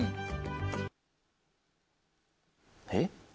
「えっ？」